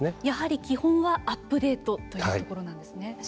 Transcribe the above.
やはり基本はアップデートというところなんですね。